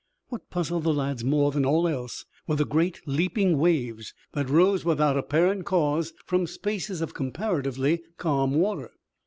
What puzzled the lads more than all else were the great leaping waves that rose without apparent cause from spaces of comparatively calm water.